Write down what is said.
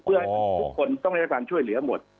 เพื่อให้ทุกคนต้องได้รับการช่วยเหลือหมด